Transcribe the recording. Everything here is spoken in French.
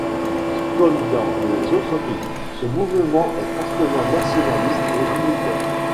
Comme dans les autres pays, ce mouvement est fortement nationaliste et unitaire.